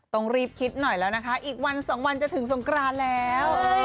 ต้องรีบคิดหน่อยแล้วอีก๑๒วันจะถึงสงกรานแล้ว